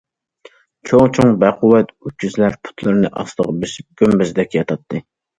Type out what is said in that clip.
چوڭ- چوڭ بەقۇۋۋەت ئۆكۈزلەر پۇتلىرىنى ئاستىغا بېسىپ گۈمبەزدەك ياتاتتى.